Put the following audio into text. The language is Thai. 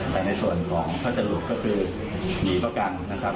แต่ในส่วนของพัสดุก็คือมีประกันนะครับ